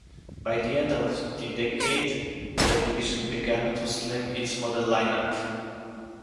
By the end of the decade, the division began to slim its model lineup.